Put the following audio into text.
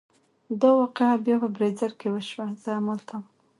دا واقعه بیا په بیزر کې وشوه، زه همالته وم.